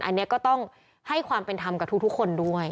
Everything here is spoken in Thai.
อันนี้ก็ต้องให้ความเป็นธรรมกับทุกคนด้วย